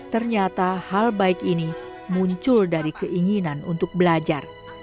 ternyata hal baik ini muncul dari keinginan untuk belajar